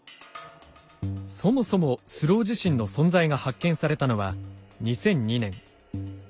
そもそもスロー地震の存在が発見されたのは２００２年。